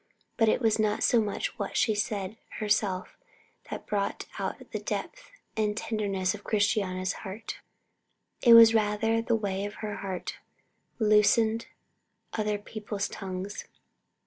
But it was not so much what she said herself that brought out the depth and tenderness of Christiana's heart, it was rather the way her heart loosened other people's tongues.